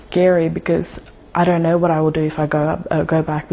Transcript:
karena saya tidak tahu apa apa